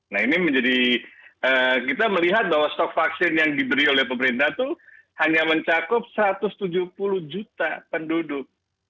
nah ini menjadi kita melihat bahwa stok vaksin yang diberi oleh pemerintah itu hanya mencakup satu ratus tujuh puluh juta penduduk